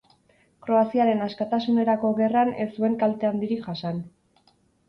Kroaziaren askatasunerako gerran ez zuen kalte handirik jasan.